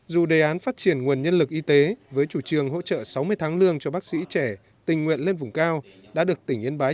dù đề án phát triển nguồn nhân lực y tế với chủ trương hỗ trợ sáu mươi tháng lương cho bác sĩ trẻ tình nguyện lên vùng cao đã được tỉnh yên bái